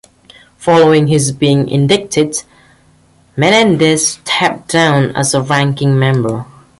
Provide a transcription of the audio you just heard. Following his being indicted, Menendez stepped down as ranking member.